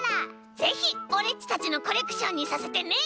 ぜひオレっちたちのコレクションにさせてね！